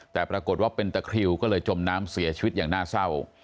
แต่ปรากฏว่าเป็นตะคริวก็เลยจมน้ำเสียชีวิตอย่างน่าเศร้า